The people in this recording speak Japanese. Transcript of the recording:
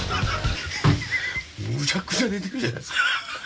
むちゃくちゃ寝てるじゃないですか。